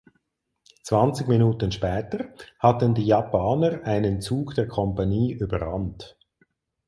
Zwanzig Minuten später hatten die Japaner einen Zug der Kompanie überrannt.